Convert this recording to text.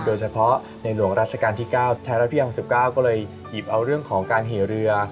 โดยเฉพาะในหลวงราชการที่๙ไทยรัฐที่ยัง๑๙ก็เลยหยิบเอาเรื่องของการเหเรือ